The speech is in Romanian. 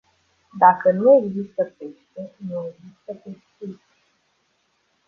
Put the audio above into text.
Dacă nu există pește, nu există pescuit.